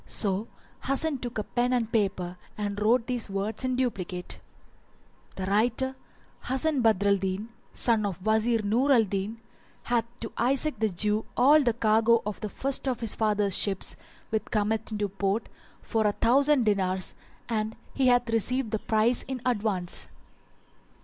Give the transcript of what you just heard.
So Hasan took a pen and paper and wrote these words in duplicate, "The writer, Hasan Badr al Din, son of Wazir Nur al Din, hath sold to Isaac the Jew all the cargo of the first of his father's ships which cometh into port, for a thousand dinars, and he hath received the price in advance."